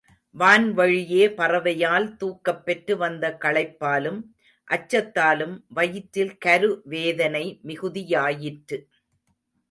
வான்வழியே பறவையால் தூக்கப்பெற்று வந்த களைப்பாலும் அச்சத்தாலும் வயிற்றில் கரு வேதனை மிகுதியாயிற்று.